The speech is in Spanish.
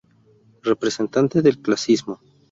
Representante del clasicismo.